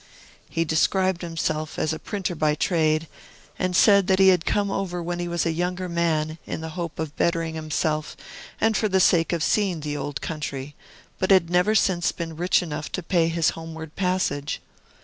He described himself as a printer by trade, and said that he had come over when he was a younger man, in the hope of bettering himself, and for the sake of seeing the Old Country, but had never since been rich enough to pay his homeward passage.